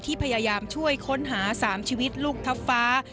พยายามช่วยค้นหา๓ชีวิตลูกทัพฟ้า